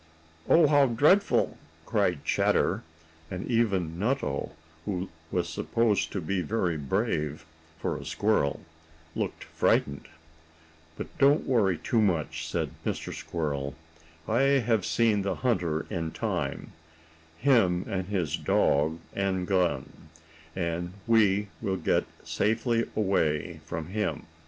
"Oh, how dreadful!" cried Chatter, and even Nutto, who was supposed to be very brave, for a squirrel, looked frightened. "But don't worry too much," said Mr. Squirrel. "I have seen the hunter in time him and his dog and gun and we will get safely away from him.